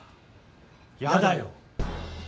やだよ！